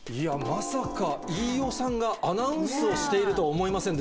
まさか飯尾さんがアナウンスをしているとは思いませんでした。